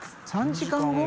３時間後」？